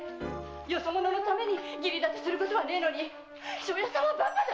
よそ者のために義理立てすることねえのに庄屋さんはバカだ！